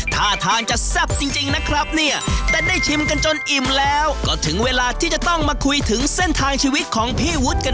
ท่าทางจะแซ่บจริงนะครับเนี่ยแต่ได้ชิมกันจนอิ่มแล้วก็ถึงเวลาที่จะต้องมาคุยถึงเส้นทางชีวิตของพี่วุฒิกัน